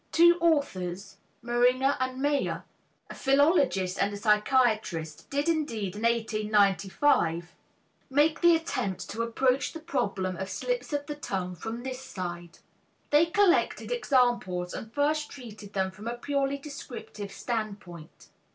Two authors, Meringer and Mayer (a philologist and a psychiatrist) did indeed in 1895 make the attempt to approach the problem of slips of the tongue from this side. They collected examples and first treated them from a purely descriptive standpoint.